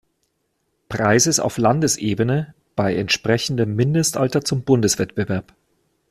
Preises auf Landesebene“ bei entsprechendem Mindestalter zum Bundeswettbewerb.